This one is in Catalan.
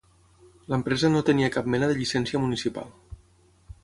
L'empresa no tenia cap mena de llicència municipal.